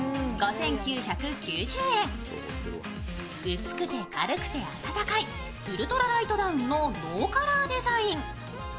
薄くて軽くて暖かい、ウルトラライトダウンのノーカラーデザイン。